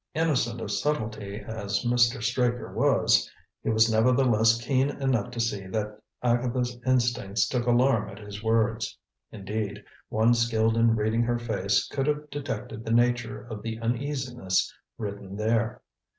Innocent of subtlety as Mr. Straker was, he was nevertheless keen enough to see that Agatha's instincts took alarm at his words. Indeed, one skilled in reading her face could have detected the nature of the uneasiness written there.